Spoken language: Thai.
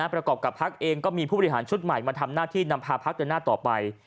ประกอบกับพักเองก็มีผู้บริหารชุดใหม่มาทำหน้าที่นำพาพักเดินหน้าต่อไป